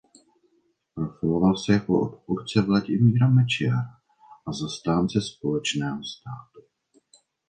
Profiloval se jako odpůrce Vladimíra Mečiara a zastánce společného státu.